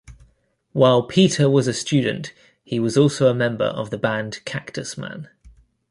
While Peter was a student he was also a member of the band Cactusman.